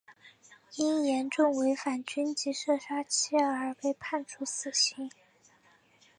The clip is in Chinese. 因严重违反军纪射杀妻儿而被判处死刑。